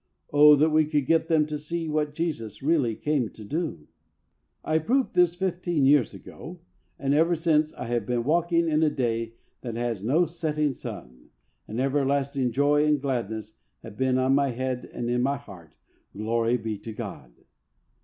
Oh, that we could get them to see what Jesus really came to do ! I proved this fifteen years ago, and ever since I have been walking in a day that has no setting sun, and ever lasting joy and gladness have been on my head and in my heart. Glory be to God